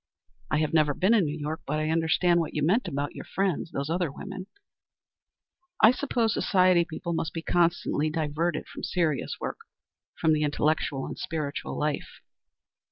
I have never been in New York, but I understand what you meant about your friends, those other women. I suppose society people must be constantly diverted from serious work from the intellectual and spiritual life.